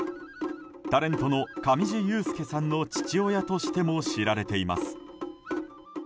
タレントの上地雄輔さんの父親としても知られています。